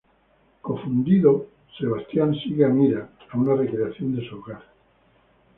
Confundido, Sebastian sigue a Myra a una recreación de su hogar.